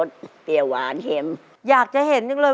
ตัวเลือกที่สอง๘คน